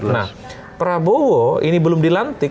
nah prabowo ini belum dilantik